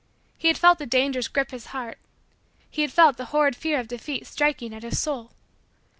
He had felt the dangers grip his heart. He had felt the horrid fear of defeat striking at his soul.